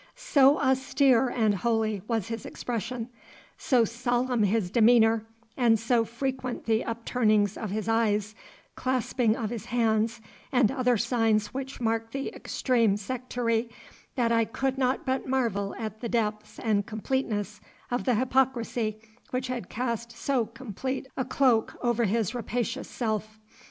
So austere and holy was his expression, so solemn his demeanour, and so frequent the upturnings of his eyes, clasping of his hands, and other signs which marked the extreme sectary, that I could not but marvel at the depths and completeness of the hypocrisy which had cast so complete a cloak over his rapacious self.